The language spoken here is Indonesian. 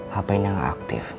hape nya gak aktif